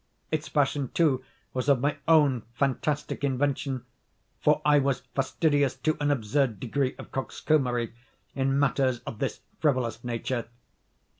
Its fashion, too, was of my own fantastic invention; for I was fastidious to an absurd degree of coxcombry, in matters of this frivolous nature.